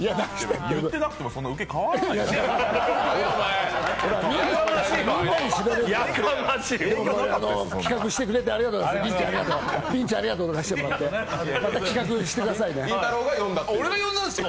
言ってなくても、そんなウケ変わらないですよ。